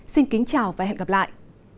xin kính chào và hẹn gặp lại